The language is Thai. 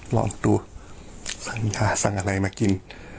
ลองดูสั่งยาสั่งอะไรมากิน